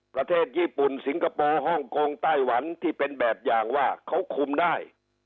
ประเทศญี่ปุ่นสิงคโปร์ฮ่องกงไต้หวันที่เป็นแบบอย่างว่าเขาคุมได้